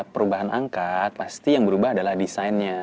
perubahan angka pasti yang berubah adalah desainnya